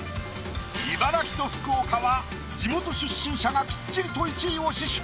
茨城と福岡は地元出身者がきっちりと１位を死守。